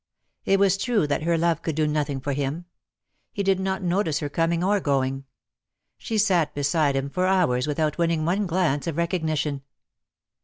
It was true that her love could do nothing for him. He did not notice her coming or going. She sat beside him for hours without winning one glance of recognition.